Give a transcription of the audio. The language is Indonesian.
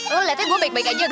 lo liatnya gue baik baik aja gak